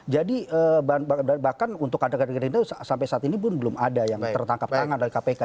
jadi bahkan untuk adegan gerindra sampai saat ini pun belum ada yang tertangkap tangan dari kpk